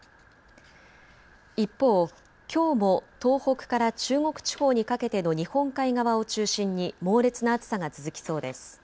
一方、きょうも東北から中国地方にかけての日本海側を中心に猛烈な暑さが続きそうです。